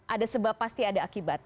ada sebab pasti ada akibat